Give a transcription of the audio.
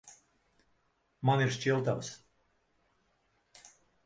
Man ir šķiltavas.